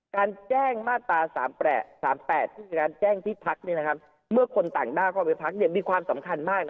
การแจ้งมาตรา๓๘ที่มีการแจ้งที่พักเมื่อคนต่างด้าวเข้าไปพักมีความสำคัญมาก